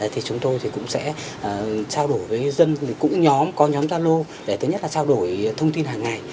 thì chúng tôi thì cũng sẽ trao đổi với dân cũng nhóm có nhóm gia lô để thứ nhất là trao đổi thông tin hàng ngày